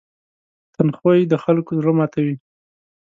تند خوی د خلکو زړه ماتوي.